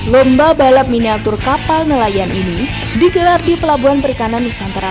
lomba balap miniatur kapal nelayan ini digelar di pelabuhan perikanan nusantara